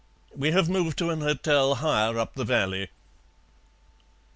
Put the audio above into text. We have moved to an hotel higher up the valley."